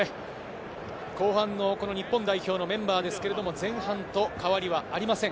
後半の日本代表のメンバーですが、前半と変わりはありません。